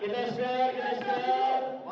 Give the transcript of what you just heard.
kita selalu berharap